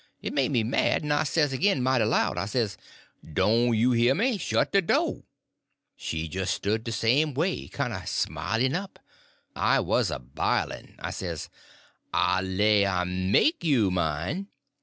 It make me mad; en I says agin, mighty loud, I says: "'Doan' you hear me? Shet de do'!' "She jis stood de same way, kiner smilin' up. I was a bilin'! I says: "'I lay I make you mine!